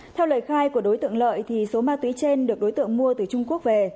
theo lời khai của đối tượng lợi số ma túy trên được đối tượng mua từ trung quốc về